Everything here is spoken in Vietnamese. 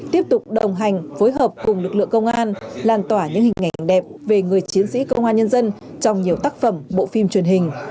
tiếp tục đồng hành phối hợp cùng lực lượng công an làn tỏa những hình ảnh đẹp về người chiến sĩ công an nhân dân trong nhiều tác phẩm bộ phim truyền hình